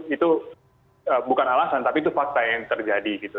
itu bukan alasan tapi itu fakta yang terjadi gitu